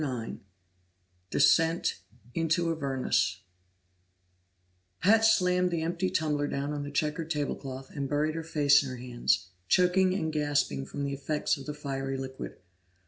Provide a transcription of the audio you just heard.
9 Descent into Avernus Pat slammed the empty tumbler down on the checked table cloth and buried her face in her hands, choking and gasping from the effects of the fiery liquor.